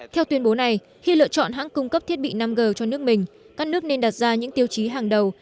theo tuyên bố này khi lựa chọn hãng cung cấp thiết bị năm g cho nước mình các nước nên đặt ra những tiêu chí hàng đầu